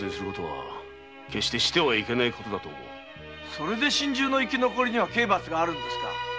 それで心中の生き残りには刑罰があるんですか？